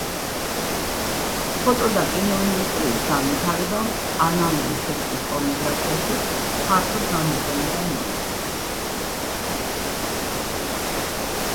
ფოტო და კინოინდუსტრიის განვითარებამ ანალური სექსის პორნოგრაფიაში ფართოდ გამოყენება მოიტანა.